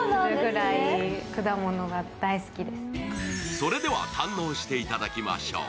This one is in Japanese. それでは堪能していただきましょう。